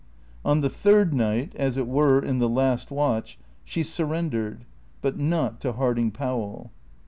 On the third night, as it were in the last watch, she surrendered, but not to Harding Powell.